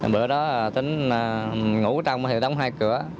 bữa đó tính ngủ trong thì đóng hai cửa